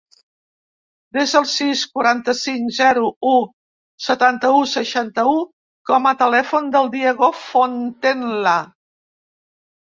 Desa el sis, quaranta-cinc, zero, u, setanta-u, seixanta-u com a telèfon del Diego Fontenla.